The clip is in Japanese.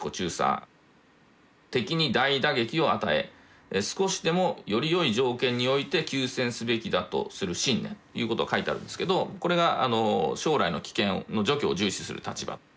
「敵に大打撃を与え少しでもよりよい条件において休戦すべきだとする信念」ということが書いてあるんですけどこれが「将来の危険の除去」を重視する立場。